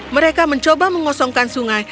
mereka mencoba mengosongkan sungai